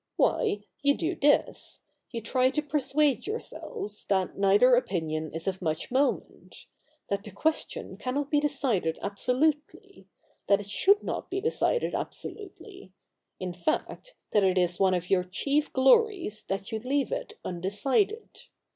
Why, you do this. You try to persuade yourselves that neither opinion is of much moment — that the question cannot be decided absolutely — that it should not be decided absolutely — in fact, that it is one of your chief glories that you leave it undecided.